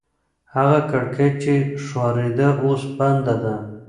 هغه کړکۍ چې ښورېده اوس بنده ده.